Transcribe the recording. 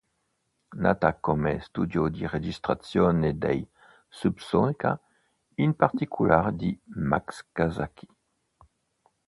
Nata come studio di registrazione dei Subsonica, in particolare di Max Casacci.